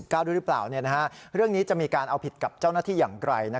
ด้วยหรือเปล่าเรื่องนี้จะมีการเอาผิดกับเจ้าหน้าที่อย่างไกล